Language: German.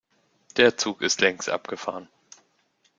Der Zug ist längst abgefahren.